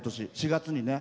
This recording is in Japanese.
４月にね。